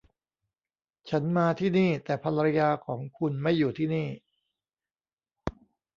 ฉันมาที่นี่ แต่ภรรยาของคุณไม่อยู่ที่นี่